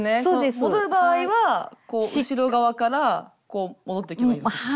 戻る場合は後ろ側から戻ってけばいいわけですね。